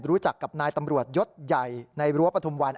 รู้จักกับนายตำรวจยศใหญ่ในรั้วปฐุมวัน